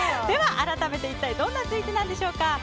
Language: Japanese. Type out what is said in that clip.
では改めて一体どういうスイーツなんでしょうか。